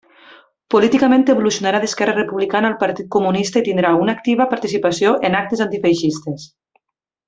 Políticament evolucionarà d'Esquerra Republicana al Partit Comunista, i tindrà una activa participació en actes antifeixistes.